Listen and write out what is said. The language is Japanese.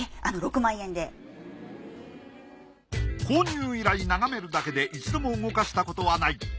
購入以来眺めるだけで一度も動かしたことはない。